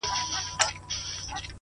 شکر چي هغه يمه شکر دی چي دی نه يمه’